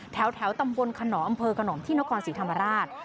แถวตำบลขนอมอำเภอขนอมที่นครศรีธรรมราช